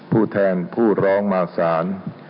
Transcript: ผู้แทนผู้ร้องมาสาร